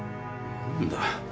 何だ。